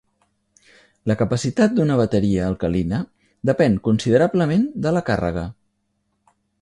La capacitat d'una bateria alcalina depèn considerablement de la càrrega.